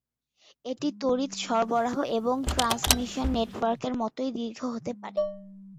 এটি তড়িৎ সরবরাহ এবং ট্রান্সমিশন নেটওয়ার্কের মতই দীর্ঘ হতে পারে।